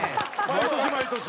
毎年毎年。